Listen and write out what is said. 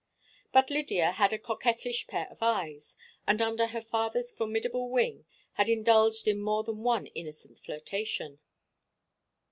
But Lydia had a coquettish pair of eyes, and under her father's formidable wing had indulged in more than one innocent flirtation.